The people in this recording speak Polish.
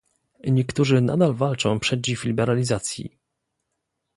Niektórzy nadal walczą przeciw liberalizacji